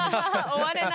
終われない。